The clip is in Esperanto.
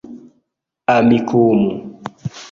amikumu